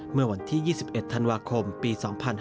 เมื่อวันที่๒๑ธันวาคมปี๒๕๕๙